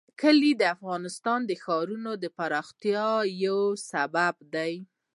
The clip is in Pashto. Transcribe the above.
کلي د افغانستان د ښاري پراختیا یو سبب دی.